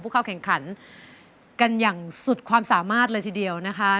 เข้าแข่งขันกันอย่างสุดความสามารถเลยทีเดียวนะคะ